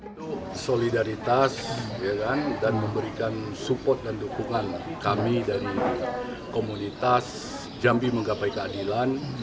itu solidaritas dan memberikan dukungan kami dan komunitas jambi menggapai keadilan